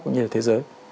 cũng như thế giới